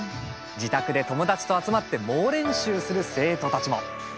自宅で友達と集まって猛練習する生徒たちも。